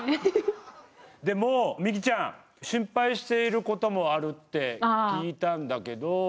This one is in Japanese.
でもみきちゃん心配していることもあるって聞いたんだけど。